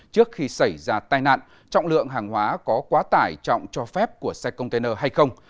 trước khi xảy ra tai nạn trọng lượng hàng hóa có quá tải trọng cho phép của xe container hay không